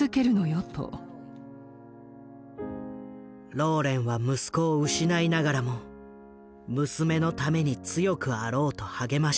ローレンは息子を失いながらも娘のために強くあろうと励ました。